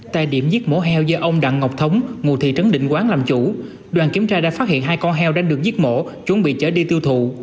tại điểm giết mổ heo do ông đặng ngọc thống ngụ thị trấn định quán làm chủ đoàn kiểm tra đã phát hiện hai con heo đang được giết mổ chuẩn bị chở đi tiêu thụ